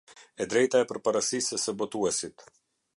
E drejta e përparësisë së botuesit.